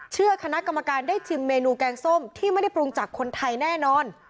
คณะกรรมการได้ชิมเมนูแกงส้มที่ไม่ได้ปรุงจากคนไทยแน่นอน